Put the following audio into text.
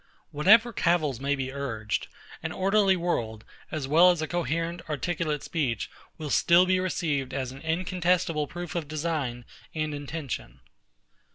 Whatever cavils may be urged, an orderly world, as well as a coherent, articulate speech, will still be received as an incontestable proof of design and intention.